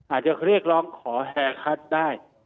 อาจจะเรียกร้องขอแฮคัทได้